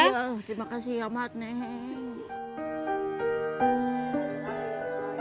terima kasih ya mat